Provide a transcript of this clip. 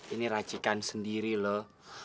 ini racikan sendiri loh